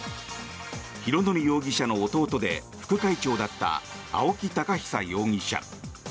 拡憲容疑者の弟で副会長だった青木寶久容疑者。